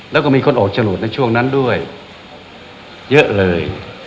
แล้วก็มีคนออกโฉนดในช่วงนั้นด้วยเยอะเลย